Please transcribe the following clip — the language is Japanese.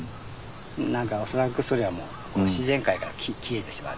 何か恐らくそれはもう自然界から消えてしまっている。